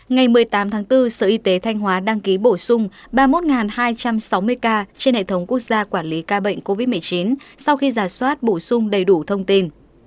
ngày một mươi tám tháng bốn sở y tế thanh hóa đăng ký bổ sung ba mươi một hai trăm sáu mươi ca trên hệ thống quốc gia quản lý ca bệnh covid một mươi chín sau khi giả soát bổ sung đầy đủ thông tin